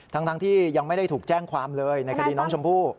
ทั้งที่ยังไม่ได้ถูกแจ้งความเลยในคดีน้องชมพู่